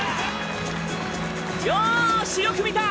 ようしよく見た！